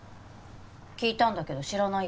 聞いたんだけど知らないって。